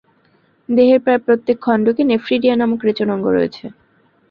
দেহের প্রায় প্রত্যেক খন্ডকে নেফ্রিডিয়া নামক রেচন অঙ্গ রয়েছে।